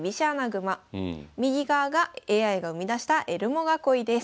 右側がＡＩが生み出したエルモ囲いです。